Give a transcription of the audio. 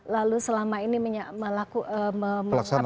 lalu selama ini melakukan memaplikan